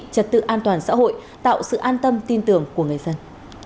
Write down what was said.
trật tự an toàn xã hội tạo sự an tâm tin tưởng của người dân